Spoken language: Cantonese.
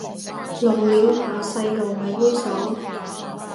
露鳥嚇細路哥咪猥褻